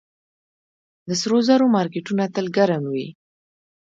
د سرو زرو مارکیټونه تل ګرم وي